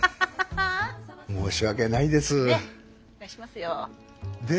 申し訳ないです。